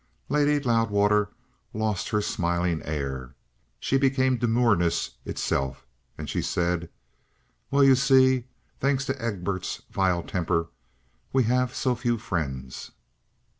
Lady Loudwater lost her smiling air; she became demureness itself, and she said: "Well, you see thanks to Egbert's vile temper we have so few friends."